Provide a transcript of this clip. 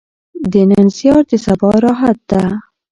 د نن زیار د سبا راحت ده.